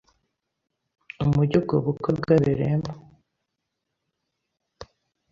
umujyi ubwo bukwe bwabereyemo